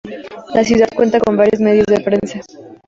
La ciudad cuenta con varios medios de prensa.